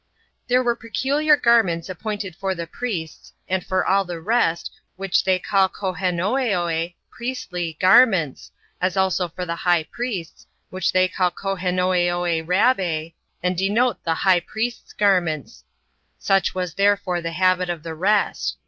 1. There were peculiar garments appointed for the priests, and for all the rest, which they call Cohanoeoe [ priestly] garments, as also for the high priests, which they call Cahanoeoe Rabbae, and denote the high priest's garments. Such was therefore the habit of the rest.